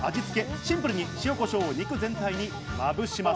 シンプルに塩、コショウを肉全体にまぶします。